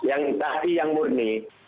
yang tahi yang murni